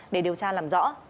để điều tra làm rõ